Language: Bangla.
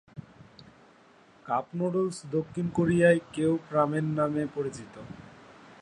কাপ নুডলস দক্ষিণ কোরিয়ায় "কেওপ-রাময়েয়ন" নামে পরিচিত।